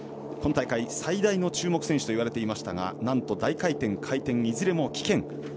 今大会、最大の注目選手といわれていましたがなんと大回転、回転でいずれも棄権。